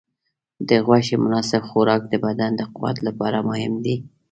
د غوښې مناسب خوراک د بدن د قوت لپاره مهم دی.